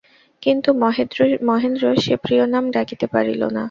কিন্তু মহেন্দ্র সে প্রিয় নাম ডাকিতে পারিল না।